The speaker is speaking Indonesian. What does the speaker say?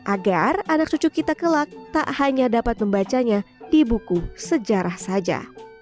agar anak cucu kita kelak tak hanya dapat membacanya di buku sejarah saja